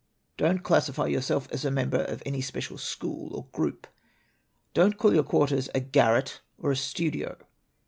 "Don't classify yourself as a member of any special school or group. "Don't call your quarters a garret or a studio.